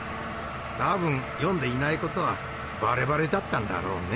多分読んでいないことはバレバレだったんだろうね。